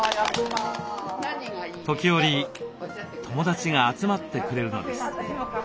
時折友達が集まってくれるのです。